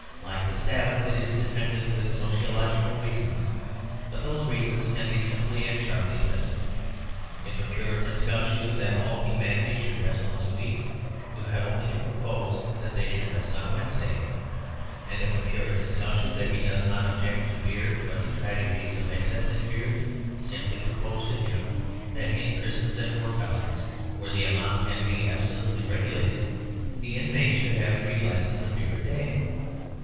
Like the Sabbath, it is defended with sociological reasons; but those reasons can be simply and sharply tested. If a Puritan tells you that all humanity should rest once a week, you have only to propose that they should rest on Wednesday. And if a Puritan tells you that he does not object to beer but to the tragedies of excess in beer, simply propose to him that in prisons and workhouses (where the amount can be absolutely regulated) the inmates should have three glasses of beer a day.